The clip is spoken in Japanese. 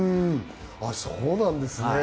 そうなんですね。